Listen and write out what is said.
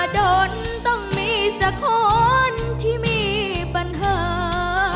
ดนต้องมีสักคนที่มีปัญหา